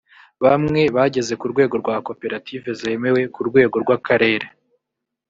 bamwe bageze ku rwego rwa koperative zemewe ku rwego rw’ akarere